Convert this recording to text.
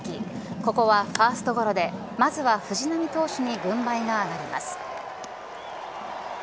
ここはファーストゴロでまずは藤浪投手に軍配が上がります。